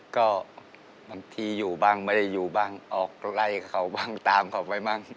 ก็บางทีอยู่บ้างไม่ได้อยู่บ้างออกไล่เขาบ้างตามเขาไว้บ้าง